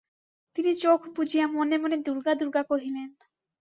তিনি চোখ বুজিয়া মনে মনে দুর্গা দুর্গা কহিলেন।